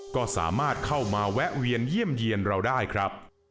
ก็สามารถเข้ามาแวะเวียนเยี่ยมเยี่ยนเราได้ครับ